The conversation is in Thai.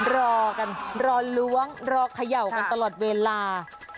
รอกันรอล้วงรอเขย่ากันตลอดเวลา